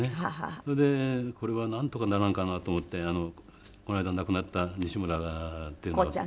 それでこれはなんとかならんかなと思ってこの間亡くなった西村っていうのが。